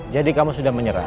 jadi kamu sudah menyerah